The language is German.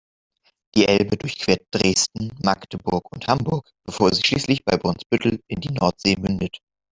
Die Elbe durchquert Dresden, Magdeburg und Hamburg, bevor sie schließlich bei Brunsbüttel in die Nordsee mündet.